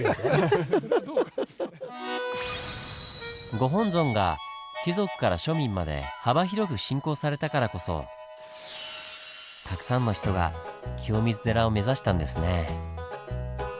ご本尊が貴族から庶民まで幅広く信仰されたからこそたくさんの人が清水寺を目指したんですねぇ。